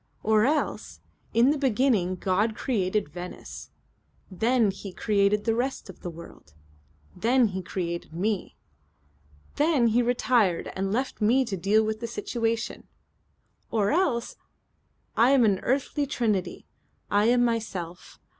Or else: 'In the beginning God created Venice. Then He created the rest of the world. Then He created Me. Then He retired and left me to deal with the situation.' Or else: 'I am an earthly Trinity. I am myself.